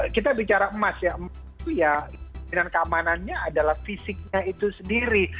kita bicara emas ya emas itu ya jaminan keamanannya adalah fisiknya itu sendiri